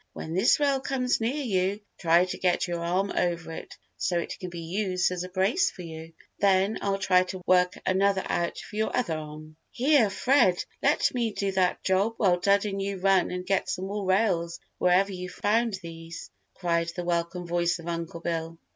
"When this rail comes near you, try to get your arm over it so it can be used as a brace for you. Then, I'll try to work another out for your other arm." "Here, Fred, let me do that job while Dud and you run and get some more rails wherever you found these," cried the welcome voice of Uncle Bill.